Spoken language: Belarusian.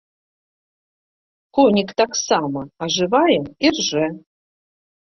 Конік таксама ажывае і ржэ.